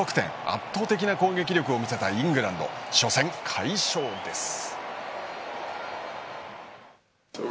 圧倒的な攻撃力を見せたイングランド、初戦快勝です。